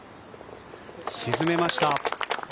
沈めました。